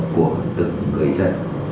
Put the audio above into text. của tự người dân